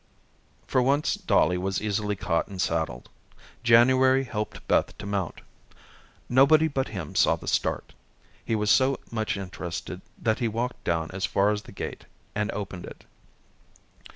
For once Dollie was easily caught and saddled. January helped Beth to mount. Nobody but him saw the start. He was so much interested that he walked down as far as the gate and opened it.